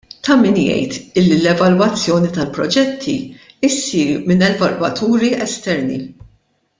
Ta' min igħid illi l-evalwazzjoni tal-proġetti ssir minn evalwaturi esterni.